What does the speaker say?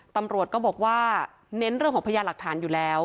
ตำรวจก็บอกว่าเน้นเรื่องของพยานหลักฐานอยู่แล้ว